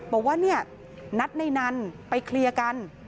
บอกว่าเนี่ยนัดในนั้นไปเคลียร์กัน